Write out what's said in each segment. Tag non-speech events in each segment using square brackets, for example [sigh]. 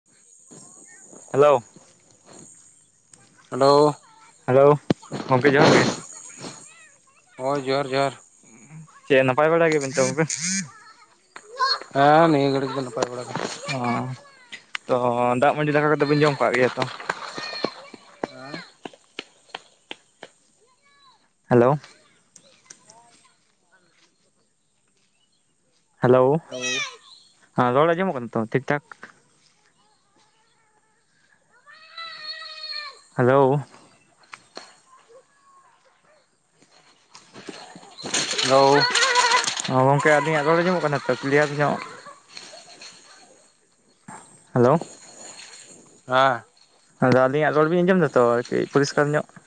[inaudible] Hello hello hello ᱜᱚᱢᱠᱮ ᱡᱚᱦᱟᱨ ᱜᱮ ᱦᱚᱭ ᱡᱚᱦᱟᱨ ᱡᱚᱦᱟᱨ ᱪᱮᱜ ᱱᱟᱯᱟᱭ ᱵᱟᱲᱟ ᱜᱮᱭᱟ ᱰᱮᱱ ᱛᱚ ᱜᱚᱝᱠᱮ? ᱦᱮᱸ ᱱᱤᱭᱟᱹ ᱜᱷᱟᱹᱲᱤᱡ ᱜᱮ ᱫᱚ ᱱᱟᱯᱟᱭ ᱵᱟᱲᱟ ᱜᱮ ᱚᱸ ᱛᱚ ᱫᱟᱜ ᱢᱟᱹᱰᱤ ᱫᱟᱠᱟ ᱠᱟᱛᱮᱫ ᱵᱟᱹᱱ ᱡᱚᱢ ᱠᱟᱜ ᱜᱮᱭᱟ ᱛᱚ? ᱦᱮᱞᱳᱣ ᱦᱮᱞᱳᱣ ᱦᱚᱸ ᱨᱚᱲ ᱟᱹᱱᱡᱚᱢ ᱚ ᱠᱟᱱᱟ ᱛᱚ ᱴᱷᱤᱠ ᱴᱷᱟᱠ? ᱦᱮᱞᱳᱣ ᱦᱮᱞᱳᱣ ᱚ ᱜᱚᱝᱠᱮ ᱟᱹᱞᱤᱧᱟᱜ ᱨᱚᱲ ᱟᱸᱡᱚᱢᱚᱜ ᱠᱟᱱᱟ ᱛᱚ ᱠᱤᱞᱤᱭᱟᱨ ᱧᱚᱜ ᱦᱮᱞᱳᱣ ᱦᱮᱸ ᱟᱫᱚ ᱟᱹᱞᱤᱧᱟᱜ ᱨᱚᱲ ᱵᱤᱱ ᱟᱸᱡᱚᱢ ᱮᱫᱟ ᱛᱚ ᱟᱨᱠᱤ ᱯᱚᱨᱤᱥᱠᱟᱨ ᱧᱚᱜ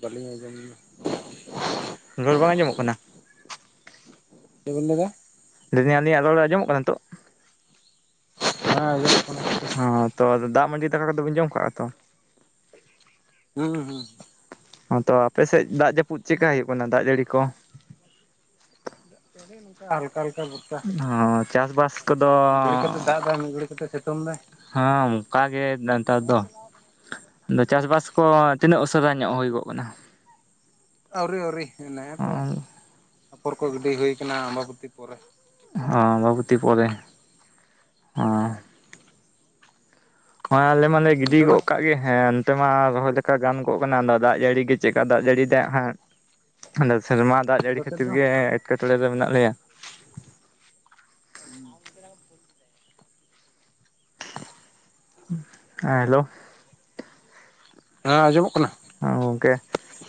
ᱵᱟᱹᱞᱤᱧ ᱟᱡᱚᱢ [inaudible] ᱨᱚᱲ ᱵᱟᱝ ᱟᱸᱡᱚᱢᱚᱜ ᱠᱟᱱᱟ ᱪᱮᱫ ᱵᱤᱱ ᱞᱟᱹᱭ ᱫᱟ ᱞᱟᱹᱭᱫᱟ ᱟᱞᱤᱧ ᱟᱸᱡᱚᱢ ᱠᱟᱱᱟ ᱱᱤᱛᱚᱜ ᱦᱮᱸ ᱡᱚᱢᱚᱜ ᱠᱟᱱᱟ ᱦᱚᱸ ᱛᱚ ᱟᱫᱚ ᱫᱟᱜ ᱢᱟᱰᱤ ᱫᱟᱠᱟ ᱠᱚᱫᱚ ᱵᱤᱱ ᱡᱚᱢ ᱠᱟᱜᱼᱟ ᱛᱚ ᱦᱩᱸ ᱦᱩᱸ ᱦᱚᱸ ᱛᱚ ᱟᱯᱮ ᱥᱮᱫ ᱫᱟᱜ ᱡᱟᱹᱯᱩᱫ ᱪᱮᱫᱠᱟ ᱦᱩᱭᱩᱜ ᱠᱟᱱᱟ ᱫᱟᱜ ᱡᱟᱹᱲᱤ ᱠᱚ ᱚᱱᱮ ᱚᱱᱠᱟ ᱦᱟᱞᱠᱟ ᱦᱟᱞᱠᱟ ᱦᱚᱸ ᱪᱟᱥ ᱵᱟᱥ ᱢᱤᱫ ᱜᱷᱟᱹᱲᱤᱡ ᱠᱟᱛᱮ ᱫᱟᱜ ᱢᱤᱫ ᱜᱷᱟᱹᱲᱤᱡ ᱠᱟᱛᱮ ᱥᱤᱛᱩᱝ ᱫᱟᱭ ᱦᱮᱸ ᱚᱱᱠᱟ ᱜᱮ ᱱᱮᱛᱟᱨ ᱫᱚ ᱟᱫᱚ ᱪᱟᱥᱵᱟᱥ ᱠᱚ ᱛᱤᱱᱟᱹᱜ ᱩᱥᱟᱹᱨᱟ ᱧᱚᱜ ᱦᱩᱭ ᱠᱚᱜ ᱠᱟᱱᱟ ᱟᱹᱣᱨᱤ ᱟᱹᱣᱨᱤ ᱮᱱᱮᱛᱚ ᱟᱯᱷᱚᱨ ᱠᱚ ᱜᱤᱰᱤ ᱦᱩᱭ ᱟᱠᱟᱱᱟ ᱟᱢᱵᱟᱵᱚᱛᱤ ᱯᱚᱨᱮ ᱦᱚᱸ ᱟᱸᱢᱵᱟᱵᱚᱛᱤ ᱯᱚᱨᱮ ᱦᱮ ᱦᱳᱭ ᱦᱚᱸᱜ-ᱚᱭ ᱟᱞᱮ ᱢᱟᱞᱮ ᱜᱤᱰᱤ ᱚᱱᱛᱮ ᱫᱚ ᱜᱚᱫ ᱠᱟᱜ ᱜᱮ ᱦᱮᱸ ᱮᱱ ᱱᱚᱛᱮ ᱢᱟ ᱨᱚᱦᱚᱭ ᱞᱮᱠᱟ ᱜᱟᱱ ᱜᱚᱜ ᱠᱟᱱᱟ ᱟᱫᱚ ᱫᱟᱜ ᱡᱟᱹᱲᱤ ᱜᱮ ᱪᱮᱫᱠᱟ ᱫᱟᱜ ᱡᱟᱹᱲᱤ ᱦᱟᱸᱜ ᱟᱫᱚ ᱥᱮᱨᱢᱟ ᱫᱟᱜ ᱟᱯᱮ ᱡᱟᱹᱲᱤ ᱥᱮᱫ ᱠᱷᱟᱹᱛᱤᱨ ᱫᱚ ᱜᱮ ᱮᱴᱠᱮᱴᱚᱬᱮ ᱨᱮ ᱢᱮᱱᱟᱜ ᱞᱮᱭᱟ ᱦᱮᱸ ᱦᱮᱞᱳᱣ ᱦᱮᱸ ᱟᱸᱡᱚᱢᱚᱜ ᱠᱟᱱᱟ ᱦᱚᱸ ᱜᱚᱝᱠᱮ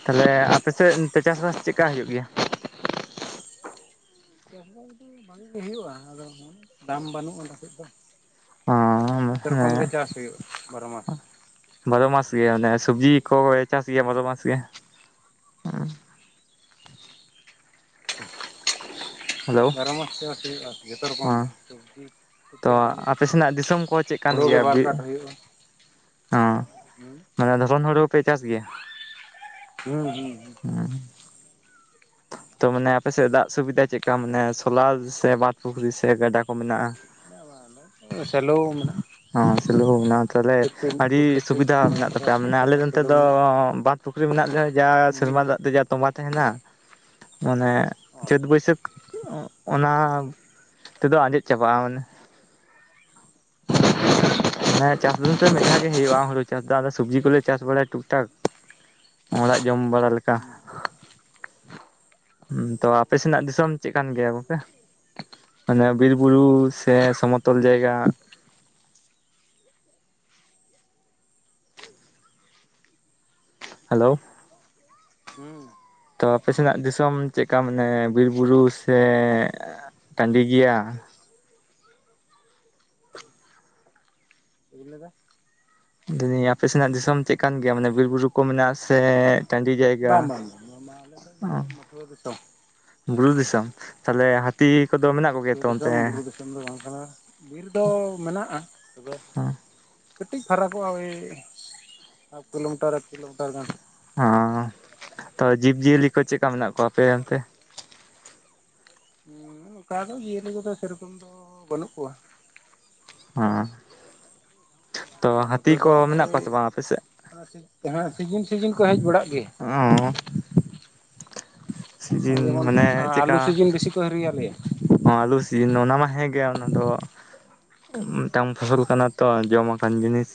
ᱛᱟᱦᱚᱞᱮ ᱟᱯᱮᱥᱮᱫ ᱚᱱᱛᱮ ᱪᱟᱥ ᱵᱟᱥ ᱪᱮᱫᱠᱟ ᱦᱩᱭᱩᱜ ᱜᱮᱭᱟ ᱪᱟᱥ ᱵᱟᱥ ᱫᱚ ᱵᱷᱟᱜᱤ ᱜᱮ ᱦᱩᱭᱩᱜᱼᱟ ᱟᱫᱚ ᱫᱟᱢ ᱵᱟᱹᱱᱩᱜᱼᱟ ᱚᱞᱮ ᱥᱮᱫ ᱫᱚ ᱦᱚᱸ ᱡᱚᱛᱚ ᱨᱚᱠᱚᱢ ᱜᱮ ᱦᱮᱸ ᱪᱟᱥ ᱦᱩᱭᱩᱜᱼᱟ ᱵᱟᱨᱚ ᱢᱟᱥ ᱵᱟᱨᱚ ᱢᱟᱥ ᱜᱮ ᱚᱱᱮ ᱥᱚᱵᱽᱡᱤ ᱠᱚ ᱪᱟᱥ ᱜᱮᱭᱟ ᱦᱩᱸ ᱵᱟᱨᱚ ᱢᱟᱥ ᱜᱮ ᱦᱮᱞᱳ ᱵᱟᱨᱚ ᱢᱟᱥ ᱪᱟᱥ ᱦᱩᱭᱩᱜ ᱡᱚᱛᱚ ᱨᱚᱠᱚᱢ ᱦᱚᱸ ᱥᱚᱵᱽᱡᱤ ᱛᱷᱮᱠᱮ ᱛᱚ ᱟᱨᱟᱢᱵᱚ ᱠᱟᱛᱮ ᱟᱯᱮ ᱥᱮᱱᱟᱜ ᱫᱤᱥᱚᱢ ᱠᱚ ᱪᱮᱫ ᱠᱟᱱ ᱦᱳᱲᱳ ᱜᱮ ᱜᱮᱭᱟ ᱵᱟᱨ ᱠᱟᱴ ᱦᱩᱭᱩᱜᱼᱟ ᱦᱚᱸ ᱦᱩᱸ ᱢᱟᱱᱮ ᱫᱷᱚᱨᱚᱱ ᱦᱩᱲᱩ ᱯᱮ ᱪᱟᱥ ᱜᱮᱭᱟ ᱦᱩᱸ ᱦᱩᱸ ᱦᱩᱸ ᱦᱩᱸ ᱛᱚ ᱢᱟᱱᱮ ᱟᱯᱮᱥᱮᱫ ᱫᱟᱜ ᱥᱩᱵᱤᱫᱟ ᱪᱮᱫᱞᱮᱠᱟ ᱢᱟᱱᱮ ᱥᱳᱞᱟᱨ ᱥᱮ ᱵᱟᱸᱫᱷ ᱯᱩᱠᱷᱨᱤ ᱥᱮ ᱜᱟᱰᱟ ᱠᱚ ᱢᱮᱱᱟᱜᱼᱟ [unintelligible] ᱥᱮᱞᱳ ᱢᱮᱱᱟᱜᱼᱟ ᱦᱚᱸ ᱥᱮᱞᱳ ᱠᱚ ᱢᱮᱱᱟᱜ-ᱟ ᱛᱟᱦᱚᱞᱮ ᱯᱨᱚᱛᱮᱠᱴᱤ ᱟᱹᱰᱤ ᱯᱨᱚᱛᱮᱠᱴᱤ ᱥᱩᱵᱤᱫᱷᱟ ᱢᱮᱱᱟᱜ ᱢᱟᱴᱷ ᱨᱮ ᱛᱟᱯᱮᱭᱟ ᱢᱟᱱᱮ ᱠᱷᱮᱛ ᱟᱞᱮ ᱨᱮ ᱱᱚᱱᱛᱮ ᱥᱮᱞᱚ ᱫᱚ ᱢᱮᱱᱟᱜᱼᱟ ᱵᱟᱸᱫᱽ ᱯᱩᱠᱷᱨᱤ ᱢᱮᱱᱟᱜ ᱞᱮᱭᱟ ᱡᱟ ᱢᱤᱱᱤ ᱥᱮᱨᱢᱟ ᱫᱟᱜ ᱢᱮᱱᱟᱜᱼᱟ ᱛᱮ ᱡᱟ ᱛᱚᱸᱵᱟ ᱛᱟᱦᱮᱱᱟ ᱢᱟᱱᱮ ᱚ ᱪᱟᱹᱛ ᱵᱟᱹᱭᱥᱟᱹᱠᱷ ᱚᱱᱟ ᱛᱮᱫᱚ ᱟᱸᱡᱮᱫ ᱪᱟᱵᱟᱜᱼᱟ ᱢᱟᱱᱮ ᱢᱟᱱᱮ ᱪᱟᱥ ᱫᱚ ᱱᱚᱛᱮ ᱢᱤᱫᱷᱟᱣ ᱜᱮ ᱦᱩᱭᱩᱜᱳᱼᱟ ᱦᱩᱲᱩ ᱪᱟᱥ ᱫᱚ ᱟᱫᱚ ᱥᱚᱵᱽᱡᱤ ᱠᱚᱞᱮ ᱪᱟᱥ ᱵᱟᱲᱟᱭᱟ ᱴᱩᱠ ᱴᱟᱠ ᱚᱲᱟᱜ ᱡᱚᱢ ᱵᱟᱲᱟ ᱞᱮᱠᱟ ᱦᱩᱸ ᱦᱮ ᱛᱚ ᱟᱯᱮ ᱥᱮᱱᱟᱜ ᱫᱤᱥᱚᱢ ᱪᱮᱫ ᱠᱟᱱ ᱜᱮᱭᱟ ᱠᱚᱜᱠᱮ ᱢᱟᱱᱮ ᱵᱤᱨ ᱵᱩᱨᱩ ᱦᱩᱸ ᱥᱮ ᱥᱚᱢᱚᱛᱚᱞ ᱡᱟᱭᱜᱟ ᱦᱮᱞᱳ [unintelligible] ᱛᱚ ᱟᱯᱮ ᱥᱮᱱᱟᱜ ᱫᱤᱥᱚᱢ ᱪᱮᱫᱠᱟ ᱢᱟᱱᱮ ᱵᱤᱨ ᱵᱩᱨᱩ ᱥᱮ ᱴᱟᱺᱰᱤ ᱜᱮᱭᱟ ᱪᱮᱫ ᱵᱤᱱ ᱞᱟᱹᱭ ᱫᱟ [unintelligible] ᱟᱯᱮ ᱥᱮᱱᱟᱜ ᱫᱤᱥᱚᱢ ᱪᱮᱫ ᱠᱟᱱ ᱜᱮᱭᱟ ᱢᱟᱱᱮ ᱵᱤᱨ ᱵᱩᱨᱩ ᱠᱚ ᱢᱮᱱᱟᱜᱼᱟ ᱥᱮ ᱴᱟᱺᱰᱤ ᱡᱟᱭᱜᱟ ᱵᱟᱝ ᱵᱟᱝ ᱵᱟᱝ ᱵᱟᱝ ᱟᱞᱮ ᱥᱮᱫ ᱫᱚ ᱢᱟᱹᱴᱷᱩᱣᱟᱹ ᱫᱤᱥᱚᱢ ᱵᱩᱨᱩ ᱫᱤᱥᱚᱢ ᱛᱟᱞᱮ ᱦᱟ ᱛᱤᱠ ᱠᱚ ᱫᱚ ᱢᱮᱱ [unintelligible] ᱫᱤᱥᱚᱢ ᱵᱩᱨᱩ ᱫᱤᱥᱚᱢ ᱫᱚ ᱵᱟᱝ ᱠᱟᱱᱟ ᱵᱤᱨ ᱫᱚ ᱢᱮᱱᱟᱜᱼᱟ ᱛᱚᱵᱮ ᱦᱚᱸ ᱠᱟᱹᱴᱤᱡ ᱯᱷᱟᱨᱟᱠᱚᱜᱼᱟ ᱳᱭ ᱦᱟᱯᱷ ᱠᱤᱞᱳᱢᱤᱴᱟᱨ ᱮᱠ ᱠᱤᱞᱳᱢᱤᱴᱟᱨ ᱜᱟᱱ ᱦᱚ ᱛᱚ ᱡᱤᱵᱽ ᱡᱤᱭᱟᱹᱞᱤ ᱠᱚ ᱪᱮᱠᱟ ᱢᱮᱱᱟᱜ ᱠᱚᱣᱟ ᱟᱯᱮ ᱚᱱᱛᱮ ᱦᱩᱸ ᱚᱱᱠᱟ ᱫᱚ ᱡᱤᱭᱟᱹᱞᱤ ᱠᱚᱫᱚ ᱥᱮ ᱨᱚᱠᱚᱢ ᱫᱚ ᱵᱟᱹᱱᱩᱜ ᱠᱚᱣᱟ ᱦᱮᱸ ᱛᱚ ᱦᱟᱹᱛᱤ ᱠᱚ ᱢᱮᱱᱟᱜ ᱠᱚᱣᱟ ᱥᱮ ᱵᱟᱝ ᱟᱯᱮ ᱥᱮᱫ ᱦᱮᱸ ᱥᱤᱡᱤᱱ ᱥᱤᱡᱤᱱ ᱠᱚ ᱦᱮᱡ ᱵᱟᱲᱟᱜ ᱜᱮ ᱚ ᱦᱚᱭ ᱥᱤᱡᱤᱱ ᱡᱮᱢᱚᱱ ᱢᱟᱱᱮ ᱟᱞᱩ ᱥᱤᱡᱤᱱ ᱵᱮᱥᱤ ᱠᱚ ᱦᱤᱨᱤ ᱟᱞᱮᱭᱟ ᱚ ᱟᱞᱩ ᱥᱤᱡᱤᱱ ᱚᱱᱟ ᱢᱟ ᱦᱮᱸ ᱜᱮ ᱟᱱᱟ ᱫᱚ ᱢᱮᱫᱴᱟᱝ ᱯᱷᱚᱥᱚᱞ ᱠᱟᱱᱟ ᱛᱚ ᱡᱚᱢ ᱟᱠᱟᱱ ᱡᱤᱱᱤᱥ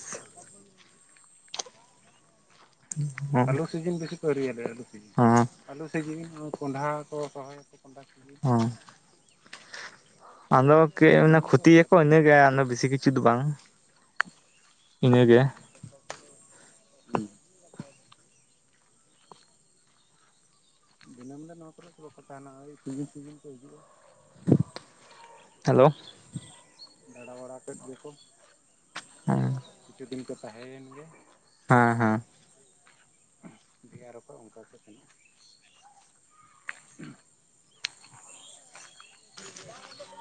[inaudible] ᱦᱮᱸ ᱟᱹᱞᱩ ᱥᱤᱡᱤᱱ ᱵᱮᱥᱤ ᱠᱚ ᱦᱤᱨᱤ ᱟᱞᱮᱭᱟ ᱟᱹᱞᱩ ᱥᱤᱡᱤᱱ ᱟᱞᱩ ᱥᱤᱡᱤᱱ ᱠᱚᱸᱰᱷᱟ ᱠᱚ ᱨᱚᱦᱚᱭ ᱚ ᱟᱫᱚ [unintelligible] ᱫᱤᱱᱟᱹᱢ ᱫᱚ ᱠᱷᱚᱛᱤ ᱵᱟᱠᱚ ᱭᱟᱠᱚ ᱛᱟᱦᱮᱱᱟ ᱤᱱᱟᱹᱜᱮ ᱵᱮᱥᱤ ᱠᱤᱪ ᱩᱪᱤᱛ ᱵᱟᱝ ᱤᱱᱟᱹ ᱜᱮ [inaudible] ᱫᱤᱱᱟᱹᱢ ᱫᱚ ᱱᱚᱣᱟ ᱠᱚᱨᱮᱜ ᱫᱚ ᱵᱟᱠᱚ ᱛᱟᱦᱮᱱᱟ ᱳᱭ ᱥᱤᱡᱤᱱ ᱥᱤᱡᱤᱱ ᱠᱚ ᱦᱤᱡᱩᱜᱼᱟ ᱦᱮᱞᱳ ᱫᱟᱬᱟ ᱵᱟᱲᱟ ᱠᱮᱫ ᱜᱮ ᱠᱚ ᱦᱮᱸ ᱠᱤᱪᱷᱩ ᱫᱤᱱ ᱠᱚ ᱛᱟᱦᱮᱸᱭᱮᱱ ᱜᱮ ᱦᱮᱸ ᱦᱮᱸ ᱫᱤᱭᱮ ᱟᱨᱚ ᱠᱚ ᱚᱱᱠᱟ ᱠᱚ ᱥᱮᱱᱚᱜ-ᱟ [inaudible]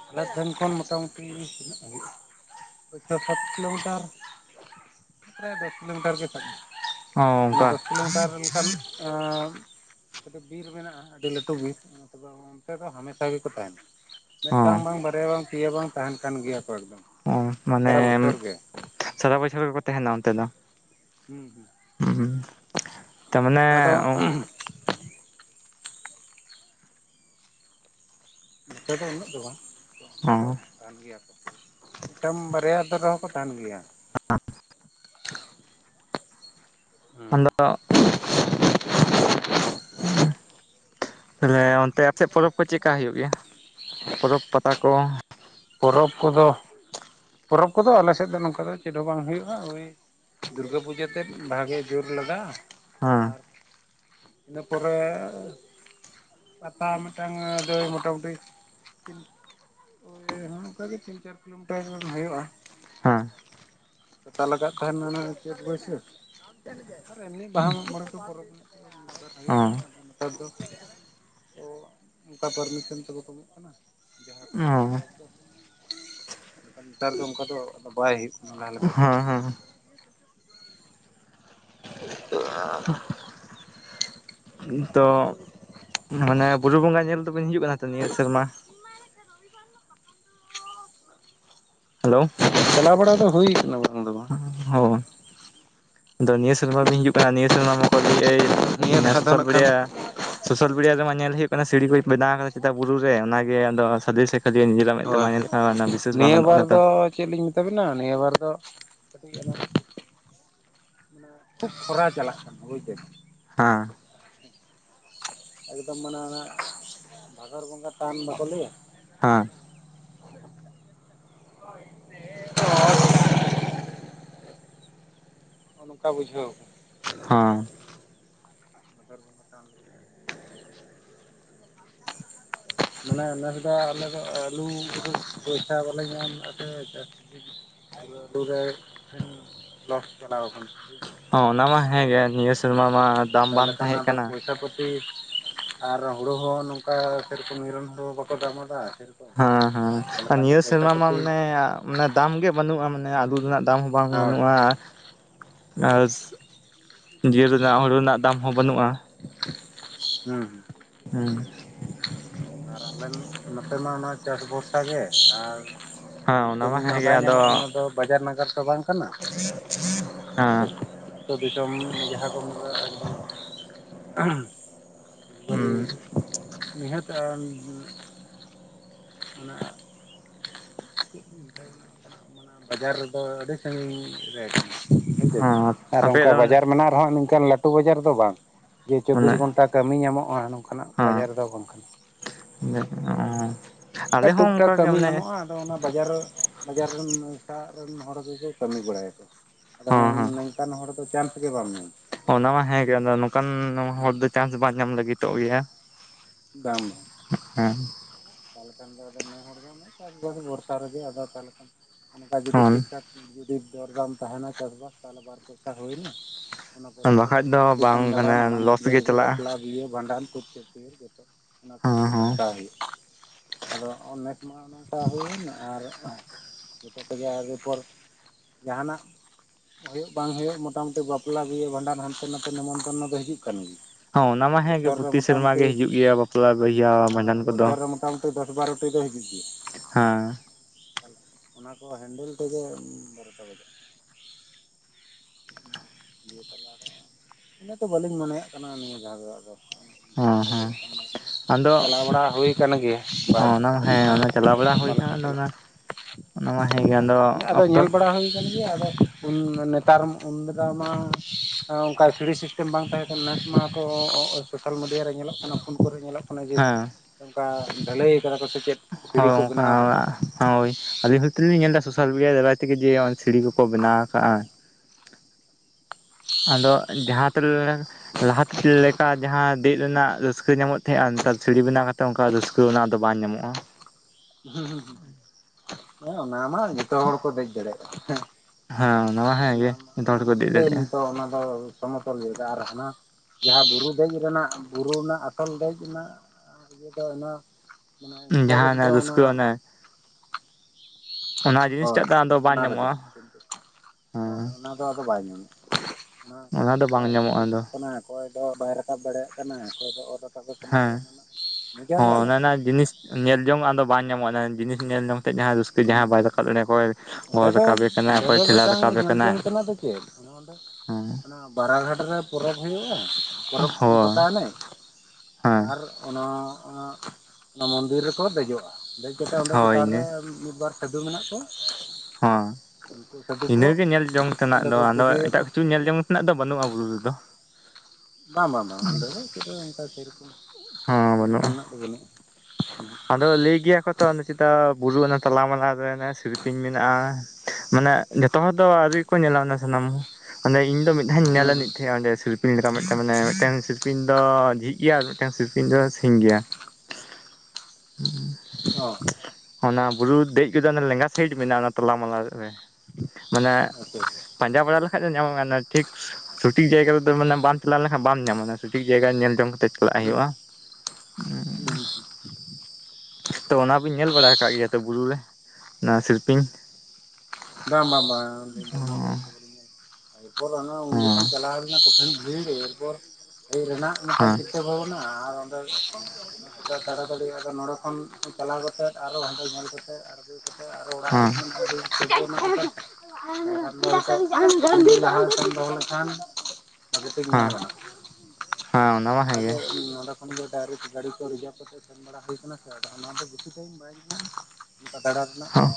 ᱟᱞᱮ ᱥᱮᱱ ᱠᱷᱚᱱ ᱢᱚᱴᱟᱢᱩᱴᱤ ᱛᱤᱱᱟᱹᱜ [unintelligible] [unintelligible] ᱥᱟᱛ ᱠᱤᱞᱳᱢᱤᱴᱟᱨ ᱯᱨᱟᱭ ᱫᱚᱥ ᱠᱤᱞᱳᱢᱤᱴᱟᱨ ᱜᱮ ᱥᱟᱵ ᱢᱮ ᱚ ᱚᱱᱟ ᱫᱚᱥ ᱚᱱᱠᱟ ᱠᱤᱞᱳᱢᱤᱴᱟᱨ ᱞᱮᱠᱟᱱ [unintelligible] ᱢᱮᱴᱮᱱ ᱵᱤᱨ ᱢᱮᱱᱟᱜᱼᱟ ᱟᱹᱰᱤ ᱞᱟᱹᱴᱩ ᱵᱤᱨ ᱛᱚᱵᱮ ᱚᱱᱛᱮ ᱫᱚ ᱦᱟᱢᱮᱥᱟ ᱜᱮᱠᱚ ᱛᱟᱦᱮᱱᱟ ᱢᱤᱫᱴᱟᱝ ᱚ ᱵᱟᱝ ᱵᱟᱨᱭᱟ ᱵᱟᱝ ᱯᱤᱭᱳ ᱵᱟᱝ ᱛᱟᱦᱮᱱ ᱠᱟᱱ ᱜᱮᱭᱟ ᱠᱚ ᱮᱠᱫᱚᱢ ᱚ ᱢᱟᱱᱮ ᱥᱟᱨᱟ ᱵᱚᱪᱷᱚᱨ ᱜᱮ ᱥᱟᱨᱟ ᱵᱚᱪᱷᱚᱨ ᱜᱮᱠᱚ ᱛᱟᱦᱮᱱᱟ ᱚᱱᱛᱮ ᱫᱚ ᱦᱩᱸ ᱦᱩᱸ [unintelligible] ᱛᱟ ᱢᱟᱱᱮ ᱟᱫᱚ ᱱᱚᱛᱮ ᱫᱚ ᱩᱱᱟᱹᱜ ᱫᱚ ᱵᱟᱝ ᱛᱚ ᱚᱱᱛᱮ ᱫᱚ ᱛᱟᱦᱮᱱ ᱜᱮᱭᱟ ᱠᱚ ᱢᱤᱫᱴᱟᱝ ᱵᱟᱨᱭᱟ ᱫᱟᱨᱟ ᱦᱚᱸ ᱠᱚ ᱛᱟᱦᱮᱱ ᱜᱮᱭᱟ [inaudible] ᱦᱩᱸ [unintelligible] ᱦᱩᱸ ᱛᱟᱞᱦᱮ ᱚᱱᱛᱮ ᱟᱥᱮᱫ ᱯᱚᱨᱚᱵᱽ ᱠᱚ ᱪᱮᱫᱠᱟ ᱦᱩᱭᱩᱜ ᱜᱮᱭᱟ ᱯᱚᱨᱚᱵᱽ ᱯᱟᱛᱟ ᱠᱚ ᱯᱚᱨᱚᱵᱽ ᱠᱚᱫᱚ ᱯᱚᱨᱚᱵᱽ ᱠᱚᱫᱚ ᱟᱞᱮ ᱥᱮᱫ ᱫᱚ ᱱᱚᱝᱠᱟ ᱫᱚ ᱪᱮᱫ ᱦᱚᱸ ᱵᱟᱝ ᱦᱩᱭᱩᱜᱼᱟ ᱳᱭ ᱫᱩᱨᱜᱟᱹ ᱯᱩᱡᱟᱹ ᱛᱮᱫ ᱵᱷᱟᱜᱮ ᱡᱳᱨ ᱞᱟᱜᱟᱜᱼᱟ ᱟᱨ [unintelligible] ᱤᱱᱟᱹ ᱯᱚᱨᱮ ᱯᱟᱛᱟ ᱢᱮᱴᱟᱝ ᱫᱟᱹᱭ ᱢᱚᱴᱟ ᱢᱩᱴᱤ ᱚᱱᱠᱟ ᱜᱮ ᱛᱤᱱ ᱪᱟᱨ ᱠᱤᱞᱳᱢᱤᱴᱟᱨ ᱦᱩᱭᱩᱜᱼᱟ ᱾ ᱦᱮᱸ ᱾ ᱪᱟᱛᱟ ᱞᱟᱜᱟᱜ ᱠᱷᱟᱱ ᱚᱱᱟ ᱪᱟᱹᱛ ᱵᱟᱹᱭᱥᱟᱹᱠ ᱟᱨ ᱮᱢᱱᱤ ᱵᱟᱦᱟ ᱢᱟᱜ ᱢᱚᱬᱮ ᱠᱚ ᱯᱚᱨᱚᱵᱽ ᱢᱤᱫ ᱵᱟᱨ ᱦᱩᱭᱩᱜ ᱠᱷᱟᱱ ᱚ ᱟᱫᱚ ᱱᱮᱛᱟᱨ ᱫᱚ ᱚᱱᱠᱟ ᱯᱟᱨᱢᱤᱥᱚᱱ ᱛᱚ ᱵᱟᱠᱚ ᱮᱢᱚᱜ ᱠᱟᱱᱟ ᱡᱟᱦᱟ ᱛᱟᱷᱟ ᱾ ᱚ ᱨᱮ ᱫᱚ ᱟᱫᱚ ᱠᱷᱟᱱ ᱱᱮᱛᱟᱨ ᱫᱚ ᱚᱱᱠᱟ ᱫᱚ ᱵᱟᱭ ᱦᱩᱭᱩᱜ ᱠᱟᱱᱟ ᱞᱟᱦᱟ ᱞᱮᱠᱟ ᱫᱚ ᱾ ᱦᱮᱸ ᱦᱮᱸ ᱾ ᱛᱚ ᱢᱟᱱᱮ ᱵᱩᱨᱩ ᱵᱚᱸᱜᱟ ᱧᱮᱞ ᱫᱚᱵᱤᱱ ᱦᱤᱡᱩᱜ ᱠᱟᱱᱟ ᱛᱚ ᱱᱤᱭᱟᱹ ᱥᱮᱨᱢᱟ? [unintelligible] ᱦᱮᱞᱳ ᱪᱟᱞᱟᱣ ᱵᱟᱲᱟ ᱫᱚ ᱦᱩᱭ ᱱᱟᱱᱟ ᱵᱟᱝ ᱫᱚ ᱵᱟᱝ ᱾ ᱦᱚᱸ, ᱟᱫᱚ ᱱᱤᱭᱟᱹ ᱥᱮᱨᱢᱟ ᱵᱤᱱ ᱦᱤᱡᱩᱜ ᱠᱟᱱᱟ ᱱᱤᱭᱟᱹ ᱥᱮᱨᱢᱟ ᱢᱟ ᱠᱚ ᱞᱟᱹᱭ ᱮᱫ ᱱᱤᱭᱟᱹ ᱫᱷᱟᱣ ᱫᱚ ᱥᱳᱥᱟᱞ ᱱᱟᱜ ᱠᱷᱟᱱ ᱢᱤᱰᱤᱭᱟ ᱥᱳᱥᱟᱞ ᱢᱤᱰᱤᱭᱟ ᱨᱮᱢᱟ ᱧᱮᱞ ᱦᱩᱭᱩᱜ ᱠᱟᱱᱟ ᱥᱤᱲᱤ ᱠᱚ ᱵᱮᱱᱟᱣ ᱠᱟᱫᱟ ᱪᱮᱛᱟᱜ ᱵᱩᱨᱩ ᱨᱮ ᱚᱱᱟᱜᱮ ᱟᱫᱚ ᱥᱟ ᱠᱷᱟᱹᱞᱤ ᱱᱤᱡᱮᱨᱟᱜ ᱢᱮᱫ ᱛᱮ ᱦᱳᱭ ᱵᱟᱝ ᱧᱮᱞ ᱦᱳᱭ ᱞᱮᱠᱷᱟᱱ ᱵᱟᱝ ᱱᱤᱭᱟᱹ ᱜᱟᱱᱚᱜ ᱵᱟᱨ ᱠᱟᱱᱟ ᱛᱚ ᱫᱚ ᱾ ᱪᱮᱫ ᱞᱤᱧ ᱢᱮᱛᱟᱵᱤᱱᱟ ᱱᱤᱭᱟᱹ ᱵᱟᱨ ᱫᱚ ᱠᱟᱹᱴᱤᱡ ᱟᱨᱦᱚ ᱢᱟᱱᱮ ᱠᱷᱩᱵ ᱠᱷᱚᱨᱟ ᱪᱟᱞᱟᱜ ᱠᱟᱱᱟ ᱵᱩᱡ ᱫᱟᱵᱤᱱ ᱾ ᱦᱮᱸ ᱾ ᱮᱠᱫᱚᱢ ᱢᱟᱱᱮ ᱚᱱᱟ ᱵᱟᱜᱚᱨ ᱵᱚᱸᱜᱟ ᱴᱟᱱ ᱵᱟᱠᱚ ᱞᱟᱹᱭᱟ? [unintelligible] ᱱᱚᱜ-ᱚ ᱱᱚᱝᱠᱟ ᱵᱩᱡᱷᱟᱹᱣ ᱦᱟ ᱾ [inaudible] ᱢᱟᱱᱮ ᱱᱮᱥ ᱫᱚ ᱟᱞᱮ ᱫᱚ ᱟᱹᱞᱩ ᱠᱚᱫᱚ ᱯᱚᱭᱥᱟ ᱵᱟᱞᱮ ᱧᱟᱢ ᱮᱫᱟ ᱡᱟᱹᱥᱛᱤ ᱯᱩᱨᱟ. ᱟᱹᱞᱩ ᱨᱮ ᱢᱤᱫ ᱴᱟᱝ ᱞᱚᱥ ᱪᱟᱞᱟᱣ ᱟᱠᱟᱱᱟ᱾ ᱚᱱᱟ ᱢᱟ ᱦᱮᱸᱜᱮ ᱱᱤᱭᱟᱹ ᱥᱮᱨᱢᱟ ᱢᱟ ᱫᱟᱢ ᱵᱟᱝ ᱛᱟᱦᱮᱸ ᱠᱟᱱᱟ᱾ ᱴᱷᱤᱠ ᱟᱨ ᱦᱩᱲᱩ ᱦᱚᱸ ᱱᱚᱝᱠᱟ ᱥᱮᱨᱚᱠᱚᱢ ᱱᱤᱨᱚᱱ ᱦᱩᱲᱩ ᱵᱟᱠᱚ ᱫᱟᱢ ᱟᱫᱟ ᱥᱮᱨᱚᱠᱚᱢ ᱦᱮᱸ ᱛᱟᱦᱚᱞᱮ ᱦᱮᱸ ᱠᱷᱟᱱ ᱫᱚ ᱱᱤᱭᱟᱹ ᱯᱚᱭᱥᱟ ᱥᱮᱨᱢᱟ ᱢᱟ ᱯᱟᱹᱛᱤ ᱢᱟᱱᱮ ᱫᱟᱢ ᱜᱮ ᱵᱟᱹᱱᱩᱜᱼᱟ ᱢᱟᱱᱮ ᱟᱞᱩ ᱨᱮᱱᱟᱜ ᱫᱟᱢ ᱦᱚᱸ ᱵᱟᱝ ᱦᱳᱭ ᱦᱳᱭ ᱵᱟᱹᱱᱩᱜᱼᱟ ᱦᱩᱸ ᱟᱨ ᱡᱤᱞ ᱨᱮᱱᱟᱜ ᱦᱩᱲᱩ ᱨᱮᱱᱟᱜ ᱫᱟᱢ ᱦᱚᱸ ᱵᱟᱹᱱᱩᱜᱼᱟ ᱾ ᱦᱩᱸ ᱦᱩᱸ ᱦᱩᱸ ᱟᱨ ᱟᱞᱮ ᱱᱚᱛᱮ ᱢᱟ ᱚᱱᱟ ᱪᱟᱥ ᱵᱷᱚᱨᱥᱟ ᱜᱮ ᱟᱨ ᱦᱮᱸ ᱫᱤᱱᱟᱹᱢ ᱚᱱᱟ ᱠᱟᱹᱢᱤ ᱢᱟ ᱦᱮᱸᱜᱮ ᱵᱟᱭ ᱟᱫᱚ ᱧᱟᱢᱚᱜᱼᱟ ᱚᱱᱟ ᱫᱚ ᱵᱟᱡᱟᱨ ᱱᱟᱜᱟᱨ ᱫᱚ ᱵᱟᱝ ᱠᱟᱱᱟ ᱵᱩᱡ ᱦᱮᱸ ᱫᱟᱵᱤᱱ ᱛᱚ ᱟᱹᱛᱳ ᱫᱤᱥᱚᱢ ᱡᱟᱦᱟᱸ ᱠᱚ ᱢᱮᱛᱟᱜ -ᱟ ᱮᱠᱫᱚᱢ [unintelligible] ᱮᱠᱵᱟᱨᱮ ᱱᱤᱦᱟᱹᱛ ᱟᱱ ᱚᱱᱟ, ᱪᱮᱫ ᱞᱤᱧ ᱢᱮᱛᱟ ᱵᱤᱱᱟ? ᱚᱱᱠᱟᱱᱟᱜ ᱢᱟᱱᱮ ᱵᱟᱡᱟᱨ ᱨᱮᱫᱚ ᱟᱹᱰᱤ ᱥᱟᱺᱜᱤᱧ ᱨᱮ ᱦᱮᱸ [unintelligible] ᱟᱨ ᱟᱯᱮᱭᱟᱜ ᱚᱱᱠᱟ ᱫᱚ ᱵᱟᱡᱟᱨ ᱢᱮᱱᱟᱜ ᱨᱮᱦᱚᱸ ᱱᱚᱝᱠᱟᱱ ᱞᱟᱹᱴᱩ ᱵᱟᱡᱟᱨ ᱫᱚ ᱵᱟᱝ ᱾ ᱡᱮ ᱪᱚᱵᱽᱵᱤᱥ ᱢᱟᱱᱮ ᱜᱷᱚᱱᱴᱟ ᱠᱟᱹᱢᱤ ᱧᱟᱢᱚᱜᱼᱟ ᱱᱚᱝᱠᱟᱱᱟᱜ ᱦᱮᱸ ᱵᱟᱡᱟᱨ ᱫᱚ ᱵᱟᱝ ᱠᱟᱱᱟ᱾ [unintelligible] ᱴᱩᱠ ᱦᱚᱸ ᱴᱟᱠ ᱚᱱᱠᱟ ᱜᱮ ᱠᱟᱹᱢᱤ ᱢᱟᱱᱮ ᱧᱟᱢᱚᱜᱼᱟ ᱟᱫᱚ ᱚᱱᱟ ᱵᱟᱡᱟᱨ, ᱵᱟᱡᱟᱨ ᱨᱮᱱ ᱮᱴᱟᱜ ᱨᱮᱱ ᱦᱚᱲ ᱜᱮᱠᱚ ᱠᱟᱹᱢᱤ ᱵᱟᱲᱟᱭᱟ ᱠᱚ᱾ ᱟᱫᱚ ᱦᱮᱸ ᱱᱚᱝ ᱦᱮᱸ ᱱᱚᱝᱠᱟᱱ ᱦᱚᱲ ᱫᱚ ᱪᱟᱱᱥ ᱜᱮ ᱵᱟᱢ ᱧᱟᱢᱟ ᱚᱱᱟ ᱢᱟ ᱦᱮᱸ ᱜᱮ ᱱᱚᱝᱠᱟᱱ ᱦᱚᱲ ᱫᱚ ᱪᱟᱱᱥ ᱵᱟᱝ ᱧᱟᱢ ᱞᱟᱹᱜᱤᱫᱚᱜ ᱜᱮᱭᱟ᱾ ᱵᱟᱝ ᱵᱟᱝ ᱾ ᱦᱮᱸ ᱾ ᱛᱟᱦᱚᱞᱮ ᱠᱷᱟᱱ ᱫᱚ ᱟᱫᱚ ᱱᱮ ᱦᱚᱲ ᱫᱚ ᱪᱟᱥᱵᱟᱥ ᱵᱷᱚᱨᱥᱟ ᱨᱮᱜᱮ ᱟᱫᱚ ᱛᱟᱦᱚᱞᱮ ᱠᱷᱟᱱ ᱚᱱᱠᱟ ᱡᱩᱫᱤ ᱦᱮᱸ ᱴᱷᱤᱠᱴᱷᱟᱠ ᱡᱩᱫᱤ ᱫᱚᱨᱫᱟᱢ ᱛᱟᱦᱮᱱᱟ ᱪᱟᱥᱵᱟᱥ ᱛᱟᱦᱚᱞᱮ ᱵᱟᱨ ᱯᱚᱭᱥᱟ ᱦᱩᱭᱱᱟ ᱚᱱᱟ ᱯᱚᱭᱥᱟ ᱛᱮᱜᱮ ᱵᱟᱠᱷᱟᱡ ᱫᱚ ᱠᱟᱹᱴᱤᱡ ᱫᱤᱥᱚᱢ ᱵᱟᱝ ᱫᱟᱬᱟᱱ ᱚᱱᱟ ᱢᱟᱱᱮ ᱞᱚᱥ ᱢᱚᱫᱽᱫᱷᱮ ᱜᱮ ᱨᱮᱜᱮ ᱪᱟᱞᱟᱜᱼᱟ ᱵᱟᱯᱞᱟ ᱵᱤᱭᱟᱹ ᱵᱷᱟᱸᱰᱟᱱ ᱠᱷᱩᱫ ᱪᱟᱹᱴᱭᱟᱹᱨ ᱡᱚᱛᱚ ᱚᱱᱟ ᱦᱮᱸ ᱠᱚᱛᱮᱜᱮ ᱦᱮᱸ ᱥᱟᱢᱴᱟᱣ ᱦᱩᱭᱩᱜᱼᱟ ᱟᱫᱚ ᱚᱱᱮᱛᱢᱟ ᱱᱚᱝᱠᱟ ᱦᱩᱭᱮᱱ ᱟᱨ ᱡᱚᱛᱚ ᱠᱚᱜᱮ ᱮᱨᱯᱚᱨ ᱡᱟᱦᱟᱸᱱᱟᱜ ᱦᱩᱭᱩᱜᱳᱜ ᱵᱟᱝ ᱦᱳᱭᱳᱜ ᱢᱚᱴᱟᱢᱩᱴᱤ ᱵᱟᱯᱞᱟ ᱵᱤᱭᱟᱹ ᱵᱷᱟᱸᱰᱟᱱ ᱦᱟᱱᱛᱮ ᱱᱟᱛᱮ ᱱᱮᱢᱚᱱᱛᱚᱱᱱᱚ ᱫᱚ ᱦᱤᱡᱩᱜ ᱠᱟᱱ ᱜᱮᱭᱟ᱾ ᱦᱚᱸ ᱚᱱᱟ ᱢᱟ ᱦᱮᱸᱜᱮ ᱵᱚᱪᱷᱚᱨ ᱨᱮ ᱯᱚᱛᱤ ᱥᱮᱨᱢᱟ ᱜᱮ ᱢᱚᱴᱟᱢᱩᱴᱤ ᱦᱤᱡᱩᱜ ᱜᱮᱭᱟ ᱵᱟᱯᱞᱟ ᱵᱚᱭᱦᱟ ᱵᱷᱟᱸᱰᱟᱱ ᱠᱚᱫᱚ᱾ ᱢᱚᱴᱟᱢᱚᱴᱤ ᱫᱚᱥ ᱵᱟᱨᱚᱴᱤ ᱫᱚ ᱦᱤᱡᱩᱜ ᱜᱮᱭᱟ᱾ ᱦᱮᱸ ᱛᱟ [inaudible] ᱚᱱᱟ ᱠᱚ ᱦᱮᱱᱰᱮᱞ ᱛᱮᱜᱮ ᱵᱚᱨᱚᱴᱟ ᱵᱟᱡᱟᱜ ᱫᱤᱭᱮ ᱛᱟᱞᱟᱨᱮ ᱤᱱᱟᱹ ᱛᱚ ᱵᱟᱹᱞᱤᱧ ᱢᱚᱱᱮᱭᱟᱜ ᱠᱟᱱᱟ ᱱᱤᱭᱟᱹ ᱫᱷᱟᱣ ᱫᱚ ᱟᱫᱚ᱾ ᱵᱩᱨᱩ ᱦᱮᱸ ᱵᱚᱝᱜᱟ ᱫᱚ ᱦᱮᱸ ᱵᱟᱠᱷᱟᱱ ᱟᱫᱚ ᱪᱟᱞᱟᱣ ᱵᱟᱲᱟ ᱦᱩᱭ ᱟᱠᱟᱱ ᱜᱮᱭᱟ᱾ ᱵᱟᱨ ᱦᱚᱸ ᱚᱱᱟ ᱥᱮᱨᱢᱟ ᱦᱮᱸ ᱚᱱᱟ ᱯᱮ ᱪᱟᱞᱟᱣ ᱵᱟᱲᱟ ᱥᱮᱨᱢᱟ ᱦᱩᱭ ᱞᱮᱠᱟ ᱠᱟᱱᱟ ᱟᱫᱚ ᱪᱟᱞᱟᱜ ᱚᱱᱟ ᱚᱱᱟ ᱢᱟ ᱜᱮ ᱟᱫᱚ ᱦᱮᱸ ᱟᱫᱚ ᱚᱠᱛᱚ ᱧᱮᱞ ᱵᱟᱲᱟ ᱦᱩᱭ ᱟᱠᱟᱱ ᱜᱮᱭᱟ ᱟᱫᱚ ᱩᱱ ᱱᱮᱛᱟᱨ ᱩᱱ ᱵᱮᱟᱜ [unintelligible] ᱢᱟ ᱚᱱᱠᱟ ᱥᱤᱲᱤ ᱥᱤᱥᱴᱮᱢ ᱵᱟᱝ ᱛᱟᱦᱮᱸ ᱠᱟᱱᱟ ᱱᱮᱥ ᱢᱟᱠᱚ ᱥᱳᱥᱟᱞ ᱢᱤᱰᱤᱭᱟ ᱨᱮ ᱧᱮᱞᱚᱜ ᱠᱟᱱᱟ ᱯᱷᱳᱱ ᱠᱚᱨᱮ ᱧᱮᱞᱚᱜ ᱠᱟᱱᱟ ᱡᱮ ᱦᱮᱸ ᱚᱱᱠᱟ ᱰᱷᱟᱹᱞᱟᱹᱭ ᱠᱟᱫᱟ ᱠᱚ ᱥᱮ ᱪᱮᱫ? ᱥᱤᱲᱤ ᱦᱚᱭ ᱠᱚ ᱚᱱᱠᱟ ᱵᱮᱱᱟᱣ ᱠᱟᱫᱟ ᱦᱳᱭ ᱟᱹᱞᱤᱧ ᱦᱚᱭᱛᱚ ᱞᱤᱧ ᱧᱮᱞ ᱮᱫᱟ ᱥᱳᱥᱟᱞ ᱢᱤᱰᱤᱭᱟ ᱫᱟᱨᱟᱭ ᱛᱮᱜᱮ ᱡᱮ ᱥᱤᱲᱤ ᱠᱚᱠᱚ ᱵᱮᱱᱟᱣ ᱟᱠᱟᱜᱼᱟ᱾ ᱟᱫᱚ ᱡᱟᱦᱟᱸ ᱛᱱᱟ [unintelligible] ᱞᱟᱦᱟ ᱛᱮ ᱞᱮᱠᱟ ᱡᱟᱦᱟᱸ ᱫᱮᱡ ᱨᱮᱱᱟᱜ ᱨᱟᱹᱥᱠᱟᱹ ᱧᱟᱢᱚᱜ ᱛᱟᱦᱮᱸᱜᱼᱟ ᱱᱮᱛᱟᱨ ᱥᱟᱹᱲᱤ ᱵᱮᱱᱟᱣ ᱠᱟᱛᱮᱮᱫ ᱚᱱᱠᱟ ᱨᱟᱹᱥᱠᱟᱹ ᱛᱚ ᱚᱱᱟ ᱫᱚ ᱵᱟᱝ ᱧᱟᱢᱚᱜᱼᱟ᱾ ᱦᱸ ᱦᱮᱸ ᱚᱱᱟ ᱢᱟ ᱡᱚᱛᱚ ᱦᱚᱲ ᱠᱚ ᱫᱮᱡ ᱫᱟᱲᱮᱭᱟᱜᱼᱟᱱ᱾ ᱦᱮᱸ ᱢᱟ ᱦᱮᱸ ᱚᱱᱟ ᱜᱮ ᱡᱚᱛᱚ ᱚᱱᱟ ᱦᱚᱲ ᱢᱟ ᱜᱮᱠᱚ ᱠᱚ ᱫᱮᱡ ᱞᱟᱹᱭ ᱫᱟᱲᱮᱭᱟᱜᱼᱟ ᱱᱤᱛᱚᱜ ᱚᱱᱟ ᱫᱚ ᱥᱚᱢᱚᱛᱚᱞ ᱡᱟᱭᱜᱟ ᱟᱨ ᱦᱟᱱᱟ ᱡᱟᱦᱟᱸ ᱵᱩᱨᱩ ᱫᱮᱡ ᱨᱮᱱᱟᱜ ᱵᱩᱨᱩ ᱨᱮᱱᱟᱜ ᱟᱴᱚᱞ ᱫᱮᱡ ᱨᱮᱱᱟᱜ ᱤᱭᱟᱹ ᱫᱚ ᱟᱭᱢᱟ ᱢᱟᱱᱮ ᱤᱱᱴᱟᱨᱮᱥ ᱨᱩᱥᱠᱟᱹᱱᱟ ᱦᱳᱭ ᱚᱱᱟ ᱨᱮᱜᱮ ᱧᱟᱢᱚᱜᱼᱟ ᱠᱤᱱᱛᱩ ᱦᱳᱭ ᱦᱮᱸ ᱚᱱᱟ᱾ ᱟᱫᱚ ᱵᱟᱭ ᱧᱟᱢ ᱚᱱᱟ ᱫᱚ ᱵᱟᱝ ᱚᱭ ᱧᱟᱢᱚᱜᱼᱟ ᱥᱞᱤᱯ‌ ᱟᱫᱚ ᱚᱜ ᱠᱟᱱᱟᱭ ᱚᱠᱚᱭ ᱫᱚ ᱵᱟᱭ ᱨᱟᱠᱟᱵ ᱫᱟᱲᱮᱭᱟᱜ ᱠᱟᱱᱟ ᱚᱠᱚᱭ ᱫᱚ ᱚᱨ ᱨᱟᱠᱟᱵ ᱮ ᱠᱟᱱᱟ ᱠᱚ ᱦᱮᱸ ᱚᱱᱟ ᱨᱮᱱᱟᱜ ᱢᱚᱡᱟ ᱜᱮ ᱦᱚᱸ ᱚᱱᱟ ᱟᱞᱟᱫᱟ᱾ ᱨᱮᱱᱟᱜ ᱡᱤᱱᱤᱥ ᱧᱮᱞ ᱡᱚᱝ ᱟᱫᱚ ᱵᱟᱝ ᱧᱟᱢᱚᱜᱼᱟ ᱡᱤᱱᱤᱥ ᱧᱮᱞ ᱡᱚᱝ ᱛᱮ ᱡᱟᱦᱟᱸ ᱨᱟᱹᱥᱠᱟᱹ᱾ ᱦᱩᱸ ᱡᱟᱦᱟᱸᱭ ᱵᱟᱭ ᱦᱩᱸ ᱨᱟᱠᱟᱵ ᱦᱩᱸ ᱫᱟᱲᱮ ᱚᱠᱚᱭ ᱚᱸᱰᱮ ᱜᱚᱦᱚᱲ ᱫᱚ ᱨᱟᱠᱟᱵ ᱮ ᱠᱟᱱᱟ ᱚᱸᱰᱮ ᱚᱠᱚᱭ ᱫᱚ ᱴᱷᱮᱞᱟᱣ ᱢᱤᱫᱴᱟᱝ ᱨᱟᱠᱟᱵᱮ ᱧᱮᱞ ᱠᱟᱱᱟᱭ᱾ ᱡᱚᱝ ᱛᱮᱱᱟᱜ ᱫᱚ ᱪᱮᱫ ᱚᱱᱮ ᱚᱸᱰᱮ ᱦᱮᱸ ᱚᱱᱟ ᱵᱟᱨᱟᱜᱷᱟᱴ ᱨᱮ ᱯᱚᱨᱚᱵᱽ ᱦᱩᱭᱩᱜᱼᱟ ᱯᱚᱨᱚᱵᱽ ᱦᱳᱭ ᱯᱟᱛᱟ ᱮᱱᱮᱡ ᱦᱮᱸ ᱟᱨ ᱚᱱᱟ ᱚᱱᱟ ᱚᱱᱟ ᱢᱚᱱᱫᱤᱨ ᱨᱮᱠᱚ ᱫᱮᱡᱚᱜᱼᱟ᱾ ᱫᱮᱡ ᱠᱟᱛᱮ ᱚᱸᱰᱮ ᱦᱳᱭ ᱪᱮᱛᱟᱱ ᱨᱮ ᱢᱤᱫ ᱵᱟᱨ ᱥᱟᱫᱷᱩ ᱢᱮᱱᱟᱜ ᱠᱚᱣᱟ᱾ ᱦ ᱩᱱᱠᱩ ᱥᱟᱹᱫᱷᱩ ᱠᱚ ᱤᱱᱟᱹᱜᱮ ᱧᱮᱞ ᱡᱚᱝ ᱛᱮᱱᱟᱜ ᱚᱸᱰᱮ ᱫᱚ ᱠᱚ ᱟᱫᱚ ᱯᱩᱡᱟᱹᱭᱟᱠᱚ ᱮᱴᱟᱜ ᱠᱤᱪᱷᱩ ᱧᱮᱞ ᱡᱚᱝ ᱩᱱᱟᱜ ᱫᱚ ᱵᱟᱹᱱᱩᱜᱼᱟ ᱵᱩᱨᱩ ᱨᱮᱫᱚ᱾ ᱵᱟᱝ ᱵᱟᱝ ᱵᱟᱝ ᱚᱸᱰᱮ ᱫᱚ ᱪᱮᱫ ᱫᱚ ᱚᱱᱠᱟ ᱥᱮᱨᱚᱠᱚᱢ ᱦᱚᱸ ᱧᱮᱞ ᱡᱚᱝ ᱵᱟᱹᱱᱩᱜᱼᱟ ᱨᱮᱱᱟᱜ ᱫᱚ ᱵᱟᱹᱱᱩᱜᱼᱟ ᱦᱮᱸ ᱟᱫᱚ ᱞᱟᱹᱭ ᱜᱮᱭᱟ ᱠᱚᱛᱚ ᱪᱮᱛᱟ ᱵᱩᱨᱩ ᱛᱟᱞᱟ ᱢᱟᱞᱟ ᱨᱮ ᱥᱤᱞᱯᱤᱧ ᱢᱮᱱᱟᱜᱼᱟ᱾ ᱢᱟᱱᱮ ᱡᱚᱛᱚ ᱦᱚᱲ ᱫᱚ ᱟᱹᱣᱨᱤᱠᱚ ᱧᱮᱞᱟ ᱚᱱᱟ ᱥᱟᱱᱟᱢ ᱢᱟᱱᱮ ᱤᱧ ᱫᱚ ᱢᱤᱫ ᱫᱷᱟᱣ ᱤᱧ ᱧᱮᱞ ᱦᱩᱸ ᱟᱹᱱᱤ ᱛᱟᱦᱮᱸᱜ ᱚᱸᱰᱮ ᱯᱤᱱ ᱞᱮᱠᱟ ᱢᱤᱫᱴᱟᱝ ᱢᱮᱱᱟᱭᱟ ᱢᱤᱫᱴᱟᱝ ᱥᱤᱞᱯᱤᱧ ᱫᱚ ᱡᱷᱤᱡ ᱜᱮᱭᱟ ᱟᱨ ᱢᱤᱫᱴᱟᱹᱝ ᱥᱤᱞᱯᱤᱧ ᱫᱚ ᱥᱤᱧ ᱜᱮᱭᱟ᱾ ᱦᱩᱸ ᱚ ᱚᱱᱟ ᱵᱩᱨᱩ ᱫᱮᱡ ᱜᱚᱫᱚᱜ ᱚᱱᱟ ᱞᱮᱸᱜᱟ ᱥᱟᱭᱤᱰ ᱢᱮᱱᱟᱜᱼᱟ ᱚᱱᱟ ᱛᱚᱞᱟ ᱢᱟᱞᱟ ᱨᱮ ᱢᱟᱱᱮ ᱟᱪᱪᱷᱟ ᱯᱟᱸᱡᱟ ᱵᱟᱲᱟ ᱞᱮᱠᱷᱟᱡ ᱫᱚ ᱧᱟᱢᱚᱜ -ᱟ ᱚᱱᱮ ᱴᱷᱤᱠ᱾ ᱥᱚᱴᱷᱤᱠ ᱡᱟᱭᱜᱟ ᱨᱮᱫᱚ ᱢᱟᱱᱮ ᱵᱟᱢ ᱪᱟᱞᱟᱣ ᱞᱮᱱᱠᱷᱟᱱ ᱵᱟᱢ ᱧᱟᱢᱟ ᱚᱱᱟ ᱥᱚᱴᱷᱤᱠ ᱡᱟᱭᱜᱟ ᱧᱮᱞ ᱡᱚᱝ ᱠᱟᱛᱮ ᱠᱟᱛᱮᱫ ᱪᱟᱞᱟᱜ ᱦᱩᱸ ᱦᱩᱭᱩᱜᱼᱟ [inaudible] ᱦᱩᱸ ᱦᱩᱸ ᱛᱚ ᱚᱱᱟ ᱵᱤᱱ ᱧᱮᱞ ᱵᱟᱲᱟ ᱟᱠᱟᱫ ᱜᱮᱭᱟ ᱛᱚ ᱵᱩᱨᱩ ᱨᱮ ᱚᱱᱟ ᱥᱤᱞᱯᱤᱧ? ᱵᱟᱝ ᱵᱟᱝ ᱵᱟᱝᱻ ᱦᱚᱸ ᱮᱨᱯᱚᱨ ᱚᱱᱟ ᱩᱱ ᱡᱚᱠᱷᱚᱱ ᱦᱚᱸ ᱪᱟᱞᱟᱣ ᱞᱮᱱᱟ ᱠᱩᱴᱷᱤᱱ ᱵᱷᱤᱲ ᱮᱨᱯᱚᱨ ᱦᱮᱡ ᱨᱮᱱᱟᱜ ᱢᱤᱫᱴᱟᱝ ᱦᱚᱸ ᱪᱤᱛᱟᱹᱨ [inaudible] ᱟᱨ ᱚᱸᱰᱮ ᱱᱠᱩᱫᱚ ᱛᱟᱲᱟᱛᱟᱲᱤ ᱟᱫᱚ ᱱᱚᱰᱮ ᱠᱷᱚᱱ ᱪᱟᱞᱟᱣ ᱠᱟᱛᱮ ᱟᱨᱚ ᱦᱟᱸᱰᱮ ᱧᱮᱞ ᱠᱟᱛᱮ ᱟᱨ ᱟᱫᱚ ᱟᱨᱚ ᱚᱲᱟᱜ ᱦᱮᱡ ᱞᱟᱦᱟᱢ [inaudible] ᱫᱚᱦᱚ ᱞᱮᱠᱷᱟᱱ [inaudible] ᱵᱷᱟᱜᱮ ᱴᱮᱧ ᱧᱮᱞ ᱦᱚᱸ ᱠᱟᱫᱟ ᱦᱚᱸ ᱟᱫᱚ ᱚᱱᱟ ᱢᱟ ᱱᱚᱝᱠᱟ ᱦᱮᱸ ᱫᱚ ᱜᱮ ᱱᱚᱰᱮ ᱠᱷᱚᱱ ᱜᱮ ᱰᱟᱭᱨᱮᱠᱴ ᱜᱟᱹᱰᱤ ᱠᱚ ᱨᱤᱡᱟᱵ ᱠᱟᱛᱮ ᱥᱮᱱ ᱵᱟᱲᱟ ᱦᱩᱭ ᱠᱟᱱᱟ ᱛᱚ ᱟᱫᱚ ᱚᱱᱚᱣᱟ ᱫᱚ ᱵᱤᱥᱤ ᱛᱮᱧ ᱵᱟᱧᱱᱟᱜ ᱚᱱᱠᱟ ᱫᱟᱬᱟ ᱨᱮᱱᱟᱜ ᱛᱚ᱾ ᱦᱚᱸ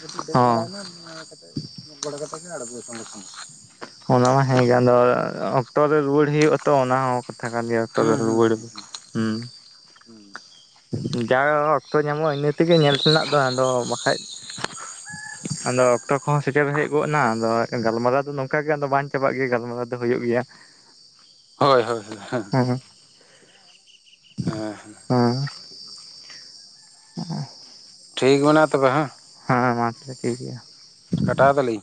ᱠᱟᱹᱴᱤᱡ ᱫᱮᱡ ᱦᱚᱸ ᱵᱟᱲᱟᱭᱮᱱᱟ ᱱᱤᱭᱟᱹ ᱠᱟᱛᱮᱟᱹᱜ ᱜᱚᱲᱚ ᱠᱟᱛᱮ ᱜᱮᱧ ᱟᱬᱜᱚ ᱱᱚᱜ-ᱚ᱾ ᱚᱱᱟ ᱢᱟ ᱦᱮᱸ ᱜᱮ ᱟᱫᱚ ᱚᱠᱛᱚ ᱨᱮ ᱨᱩᱣᱟᱹᱲ ᱦᱳᱭᱼᱟ ᱛᱚ ᱚᱱᱟ ᱦᱚᱸ᱾ ᱠᱟᱛᱷᱟ ᱠᱟᱱ ᱜᱮᱭᱟ ᱱᱤᱛᱚᱜ ᱫᱚ ᱦᱩᱸ ᱦᱩᱸ ᱨᱩᱣᱟᱹᱲ ᱦᱩᱸ ᱦᱩᱸ ᱦᱩᱸ ᱡᱟ ᱚᱠᱛᱚ ᱧᱟᱢᱚᱜᱼᱟ ᱤᱱᱟᱹ ᱛᱮᱜᱮ ᱧᱮᱞ ᱥᱮᱱᱟᱜ ᱫᱚ ᱟᱫᱚ ᱵᱟᱠᱷᱟᱡ ᱟᱫᱚ ᱚᱠᱛᱚ ᱠᱚᱦᱚᱸ ᱥᱮᱴᱮᱨ ᱦᱮᱡ ᱮᱱᱟ ᱟᱫᱚ ᱜᱟᱞᱢᱟᱨᱟᱣ ᱫᱚ ᱱᱚᱝᱠᱟ ᱜᱮ ᱵᱟᱝ ᱪᱟᱵᱟᱜ ᱜᱮᱭᱟ ᱜᱟᱞᱢᱟᱨᱟᱣ ᱫᱚ ᱦᱩᱭᱩᱜ ᱜᱮᱭᱟ᱾ ᱦᱳᱭ ᱦᱳᱭ ᱦᱮᱸ ᱦᱮᱸ ᱦᱮᱸ ᱦᱮᱸ ᱦ [inaudible] ᱴᱷᱤᱠ ᱢᱮᱱᱟᱜᱼᱟ ᱛᱚᱵᱮ ᱦᱮᱸ ᱦᱮᱸ ᱢᱟ ᱛᱟᱦᱚᱞᱮ ᱴᱷᱤᱠ ᱜᱮᱭᱟ᱾ ᱠᱟᱴᱟᱣ ᱮᱫᱟᱞᱤᱧ,